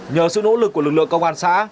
nhờ sự nỗ lực của lực lượng công an xã